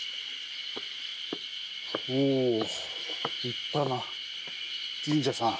おお立派な神社さん。